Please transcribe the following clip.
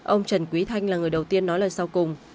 ông trần quý thanh là người đầu tiên nói lời sau cùng